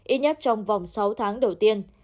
ít nhất trong vòng sáu tháng đầu tiên